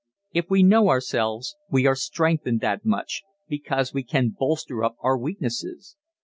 If we know ourselves we are strengthened that much, because we can bolster up our weaknesses.